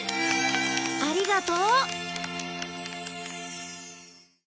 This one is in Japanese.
ありがとう！